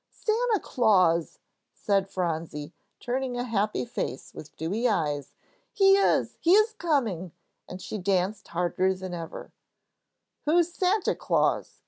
"Santa Claus," said Phronsie, turning a happy face with dewy eyes. "He is! He is coming!" and she danced harder than ever. "Who's Santa Claus?"